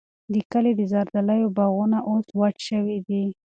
د کلي د زردالیو باغونه اوس وچ شوي دي.